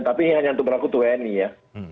tapi yang nyantuk beraku itu wni ya